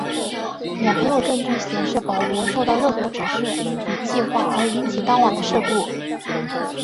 也没有证据显示保罗受到任何指示与计划而引起当晚的事故。